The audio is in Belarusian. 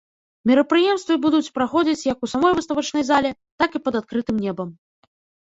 Мерапрыемствы будуць праходзіць, як у самой выставачнай зале, так і пад адкрытым небам.